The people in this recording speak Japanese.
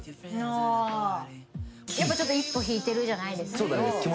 やっぱちょっと一歩引いてるじゃないですけど。